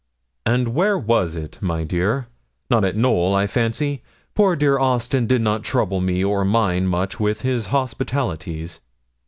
'And where was it, my dear? Not at Knowl, I fancy. Poor dear Austin did not trouble me or mine much with his hospitalities.'